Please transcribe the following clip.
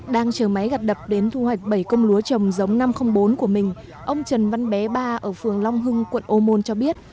đang chờ máy gặt đập đến thu hoạch bảy công lúa trồng giống năm trăm linh bốn của mình ông trần văn bé ba ở phường long hưng quận ô môn cho biết